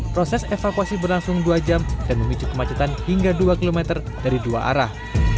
proses evakuasi berlangsung dua jam dan memicu kemacetan hingga dua km dari dua arah